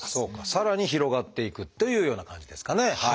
さらに広がっていくというような感じですかね。